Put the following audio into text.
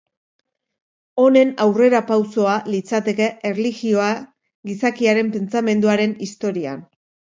Honen aurrerapausoa litzateke erlijioa gizakiaren pentsamenduaren historian.